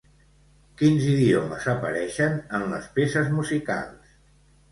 Quins idiomes apareixen en les peces musicals?